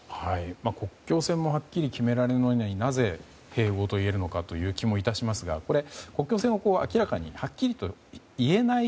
国境線もはっきり決められないのになぜ、併合と言えるのかという気もいたしますが国境線を明らかにはっきりと言えない